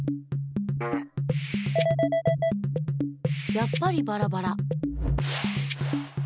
やっぱりバラバラ。